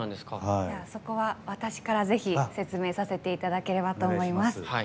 そこは私からぜひ説明させていただければと思います。